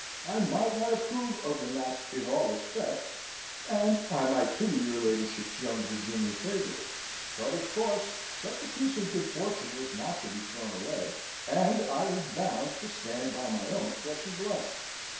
I might not approve of the match in all respects, and I might pity your ladyship's young Virginian favourite: but of course such a piece of good fortune was not to be thrown away, and I was bound to stand by my own flesh and blood."